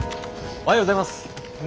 おはようございます。